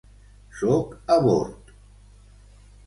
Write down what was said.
Sóc a bord.